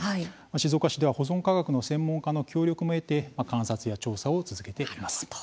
静岡市では保存科学の専門家の協力も得て観察や調査を続けています。